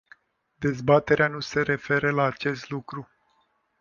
Dezbaterea nu se referă la acest lucru.